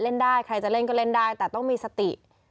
เล่นได้ใครจะเล่นก็เล่นได้แต่ต้องมีสติ